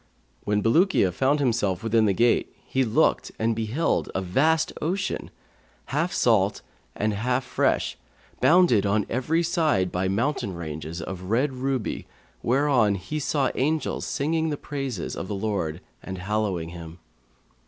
When Bulukiya found himself within the gate, he looked and beheld a vast ocean, half salt and half fresh, bounded on every side by mountain ranges of red ruby whereon he saw angels singing the praises of the Lord and hallowing Him.